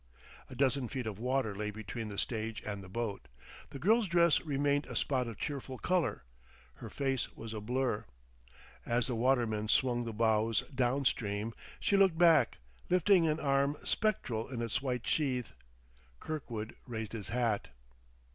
A dozen feet of water lay between the stage and the boat. The girl's dress remained a spot of cheerful color; her face was a blur. As the watermen swung the bows down stream, she looked back, lifting an arm spectral in its white sheath. Kirkwood raised his hat.